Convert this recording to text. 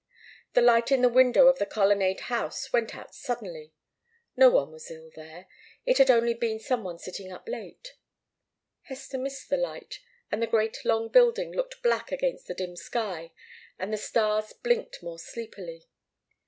The light in the window of the Colonnade House went out suddenly no one was ill there it had only been some one sitting up late. Hester missed the light, and the great long building looked black against the dim sky, and the stars blinked more sleepily.